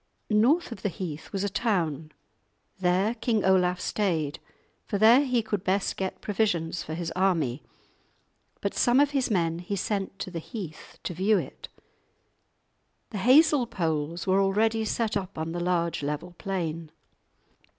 North of the heath was a town; there King Olaf stayed, for there he could best get provisions for his army. But some of his men he sent to the heath, to view it. The hazel poles were already set up on the large level plain.